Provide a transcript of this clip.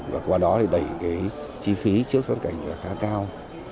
và qua đó đẩy chi phí trước sát cảnh khá cao